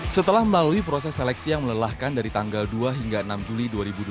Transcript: setelah melalui proses seleksi yang melelahkan dari tanggal dua hingga enam juli dua ribu dua puluh